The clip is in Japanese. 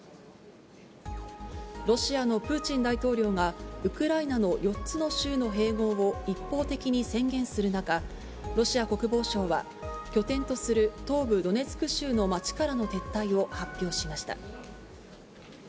ロシアのプーチン大統領が、ウクライナの４つの州の併合を一方的に宣言する中、ろしあこくぼうしょうは拠点とする、東部ドネツク州の街からの撤退を発表しました。